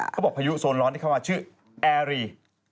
พายุโซนร้อนที่เข้ามาชื่อแอร์รี